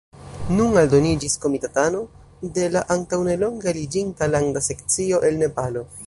Nun aldoniĝis komitatano de la antaŭnelonge aliĝinta Landa Sekcio el Nepalo.